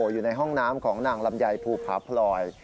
อยู่ในห้องน้ำของนางลำไยภูผาพลอย